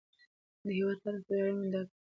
د هېواد تاریخ په ویاړونو ډک دی.